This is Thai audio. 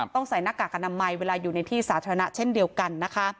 ใส่หน้ากากอนามัยเวลาอยู่ในที่สาธารณะเช่นเดียวกันนะคะ